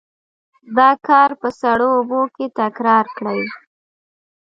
دا کار په سړو اوبو کې تکرار کړئ.